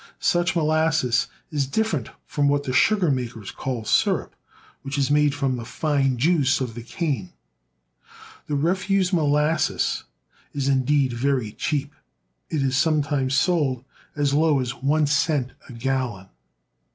Such molasses is different from what the sugar makers call sirup, which is made from the fine juice of the cane. The refuse molasses is indeed very cheap ; it is sometimes sold as low as one cent a gallon.